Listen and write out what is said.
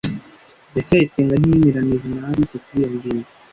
ndacyayisenga ntiyemeranije na alice kuri iyo ngingo